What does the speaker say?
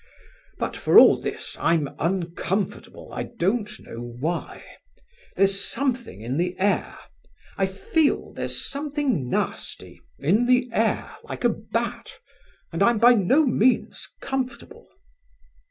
But, for all this, I'm uncomfortable, I don't know why. There's something in the air, I feel there's something nasty in the air, like a bat, and I'm by no means comfortable."